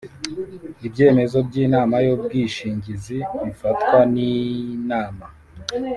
Ibyemezo by‘Inama y’ubwishingizi bifatwa niNama